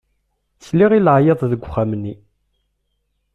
Sliɣ i leɛyaḍ deg uxxam-nni.